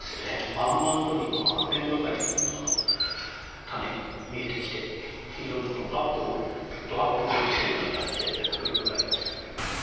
「満満と」にあふれんばかりの種が見えてきて非常にアップをドアップを見ているような感じで迫力がありました。